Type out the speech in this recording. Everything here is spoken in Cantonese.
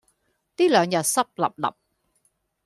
呢兩日濕立立